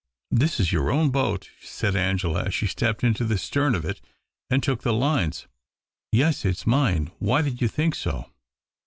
"This is your own boat," said Angela, as she stepped into the stern of it and took the lines. " Yes ; it's mine. Why did you think so